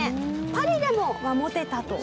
パリでもモテたと。